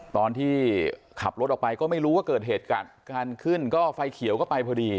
ตอนที่ขับรถออกไปก็ไม่รู้ว่าเกิดเหตุการณ์การขึ้นก็ไฟเขียวก็ไปพอดี